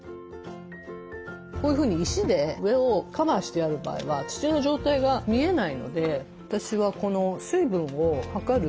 こういうふうに石で上をカバーしてある場合は土の状態が見えないので私はこの水分を測る